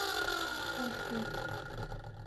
Конфет!..